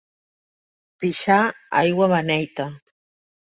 Pixar aigua beneita.